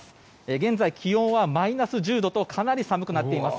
現在、気温はマイナス１０度とかなり寒くなっています。